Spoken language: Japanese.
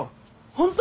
本当？